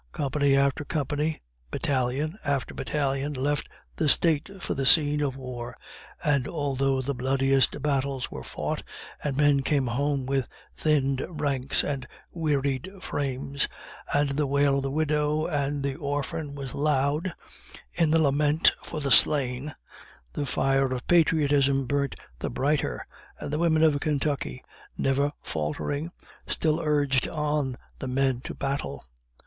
Company after company, batallion after batallion, left the State for the scene of war, and although the bloodiest battles were fought, and men came home with thinned ranks and wearied frames, and the wail of the widow and the orphan was loud in the lament for the slain, the fire of patriotism burnt the brighter, and the women of Kentucky, never faltering, still urged on the men to battle.